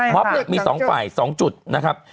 มี๒ฝ่าย๒จุดนะครับ